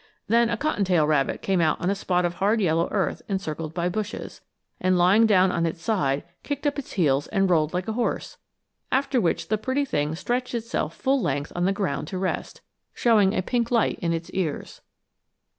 Then a cottontail rabbit came out on a spot of hard yellow earth encircled by bushes, and lying down on its side kicked up its heels and rolled like a horse; after which the pretty thing stretched itself full length on the ground to rest, showing a pink light in its ears.